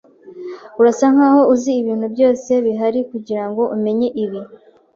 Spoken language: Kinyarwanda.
Urasa nkaho uzi ibintu byose bihari kugirango umenye ibi.